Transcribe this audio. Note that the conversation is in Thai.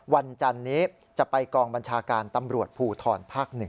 จันนี้จะไปกองบัญชาการตำรวจภูทรภาค๑